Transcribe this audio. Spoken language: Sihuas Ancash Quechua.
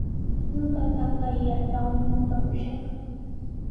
Ñuqaqa kayllatrawmi kakushaq.